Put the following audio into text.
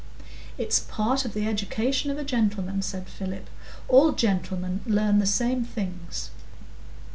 "It's part of the education of a gentleman," said Philip. "All gentlemen learn the same things."